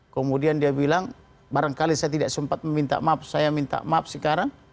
kemudian dia bilang barangkali saya tidak sempat meminta maaf saya minta maaf sekarang